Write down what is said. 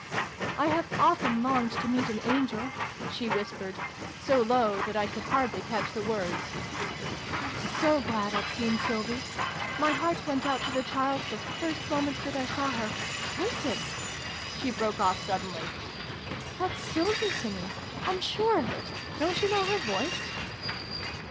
" I have often longed to meet an angel," she whispered, so low that I could hardly catch the words. " I'm so glad I've seen Sylvie ! My heart went out to the child the first moment that I saw her Listen !" she broke off suddenly. " That's Sylvie singing ! I'm sure of it ! Don't you know her voice